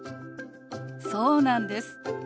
そうなんです。